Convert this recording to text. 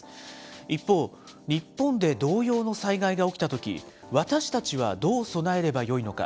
一方、日本で同様の災害が起きたとき、私たちはどう備えればよいのか。